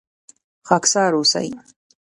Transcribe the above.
خاکسار اوسئ